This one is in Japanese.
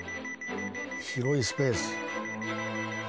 広いスペース。